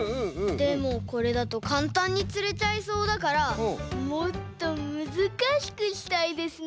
でもこれだとかんたんにつれちゃいそうだからもっとむずかしくしたいですね。